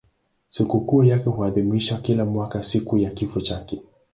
Sikukuu yake huadhimishwa kila mwaka siku ya kifo chake.